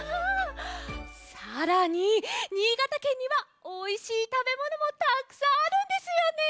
さらに新潟県にはおいしいたべものもたくさんあるんですよね？